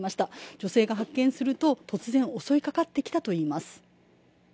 女性が発見すると、突然、襲いかかってきたといいます。